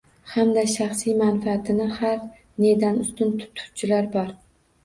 Hamda shaxsiy manfaatini har nedan ustun tutuvchilar bor